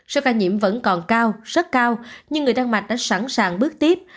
số ca nhiễm vẫn còn cao rất cao nhưng người đan mạch đã sẵn sàng bước tiếp